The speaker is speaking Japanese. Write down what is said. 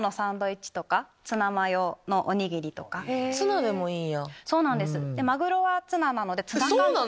ツナでもいいんや。